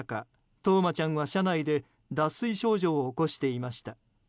冬生ちゃんは車内で脱水症状を起こしていました。